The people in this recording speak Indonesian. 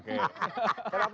kenapa kami punya perhitungan